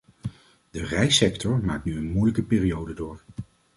De rijstsector maakt nu een moeilijke periode door.